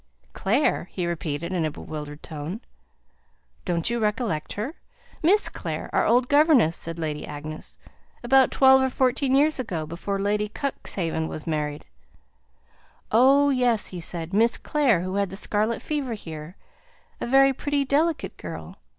"Clare," he repeated, in a bewildered tone. "Don't you recollect her? Miss Clare, our old governess," said Lady Agnes. "About twelve or fourteen years ago, before Lady Cuxhaven was married." "Oh, yes!" said he. "Miss Clare, who had the scarlet fever here; a very pretty delicate girl.